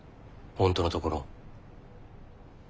本当のところ。